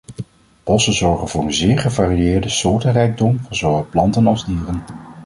Bossen zorgen voor een zeer gevarieerde soortenrijkdom van zowel planten als dieren.